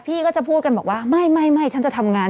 พี่ก็จะพูดกันบอกว่าไม่ฉันจะทำงาน